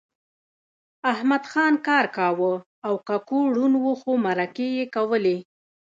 احمدخان کار کاوه او ککو ړوند و خو مرکې یې کولې